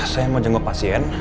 saya mau jenguk pasien